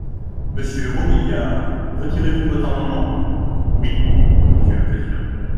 Monsieur Robiliard, retirez-vous votre amendement ? Oui, monsieur le président.